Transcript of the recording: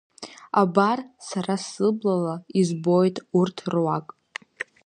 Абар сара сыблала избоит урҭ руак.